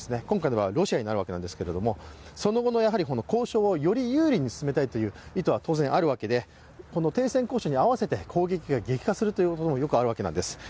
今回、ロシア側になるんですけどその後の交渉をより有利に進めたいという意図は当然あるわけでこの停戦交渉に合わせて攻撃が激化するということもよくあるわけなんです。